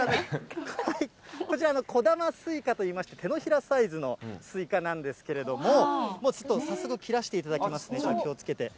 こちら、こだまスイカと言いまして、手のひらサイズのスイカなんですけれども、もうちょっと、早速、切らせていただきますね、気をつけて。